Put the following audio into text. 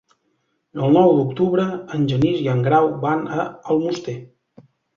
El nou d'octubre en Genís i en Grau van a Almoster.